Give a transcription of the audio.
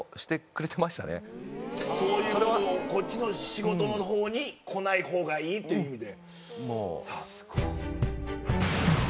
そういうこっちの仕事に来ない方がいいという意味で。